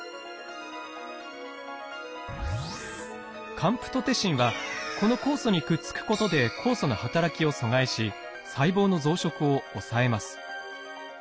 カンプトテシンはこの酵素にくっつくことで酵素の働きを阻害し細胞の増殖を抑えます。